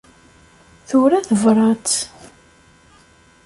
Tura tebṛat.